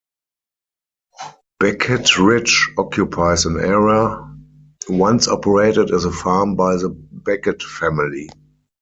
Beckett Ridge occupies an area once operated as a farm by the Beckett family.